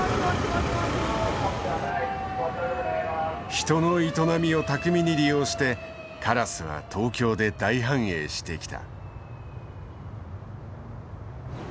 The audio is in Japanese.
人の営みを巧みに利用してカラスは東京で大繁栄してきた。